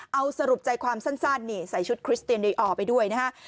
เอาสรุปใจความสั้นนี่ใส่ชุดคริสเตียนในออร์ไปด้วยนะฮะ